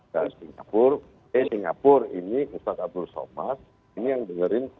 dari singapura eh singapura ini ustadz abdul somad ini yang dengerin